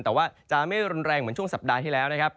แต่ว่าจะไม่รุนแรงเหมือนช่วงสัปดาห์ที่แล้วนะครับ